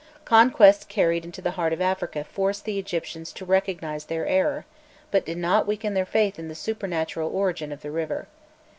Conquests carried into the heart of Africa forced the Egyptians to recognize their error, but did not weaken their faith in the supernatural origin of the river.